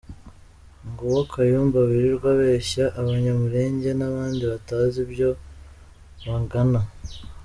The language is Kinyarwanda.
Nguwo Kayumba wirirwa abeshya Abanyamulenge n’abandi batazi iryo bagana !